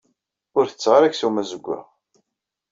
Ur setteɣ ara aksum azewwaɣ.